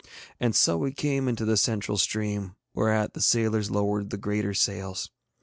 And so we came into the central stream, whereat the sailors lowered the greater sails.